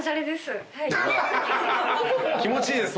気持ちいいです